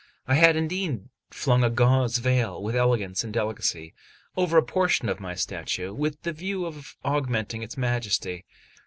I had indeed flung a gauze veil with elegance and delicacy over a portion of my statue, with the view of augmenting its majesty.